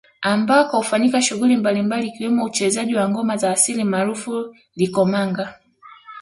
Ambako hufanyika shughuli mbalimbali ikiwemo uchezaji wa ngoma za asili maarufu Likomanga